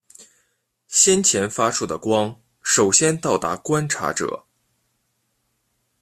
先前发出的光首先到达观察者。